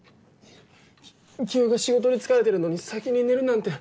清居が仕事で疲れてるのに先に寝るなんて。